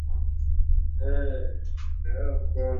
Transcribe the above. clinton ni kiongonzi wa kwanza wa juu wa marekani kuzuru tunisia